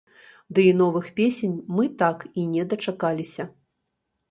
Ды і новых песень мы так і не дачакаліся.